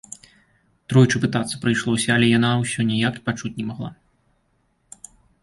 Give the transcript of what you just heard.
Тройчы пытацца прыйшлося, а яна ўсё ніяк пачуць не магла.